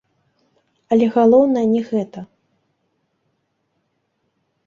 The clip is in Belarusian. Але галоўнае не гэта.